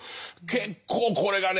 結構これがね